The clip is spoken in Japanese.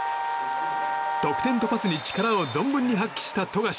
得点とパスに力を存分に発揮した富樫。